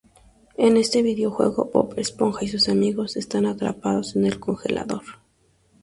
En este videojuego Bob Esponja y sus amigos están atrapados en el congelador.